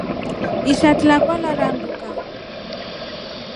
Ishati lakwa laranduka.